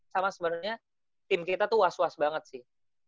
sama sebenarnya tim kita tuh was was banget sih